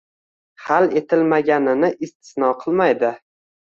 Hal etilmaganini istisno qilmaydi.